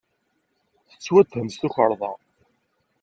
Tettwatthem s tukerḍa.